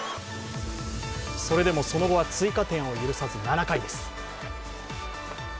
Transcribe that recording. それでもその後は追加点を許さず７回です。